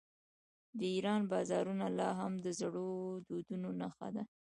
د ایران بازارونه لا هم د زړو دودونو نښه ده.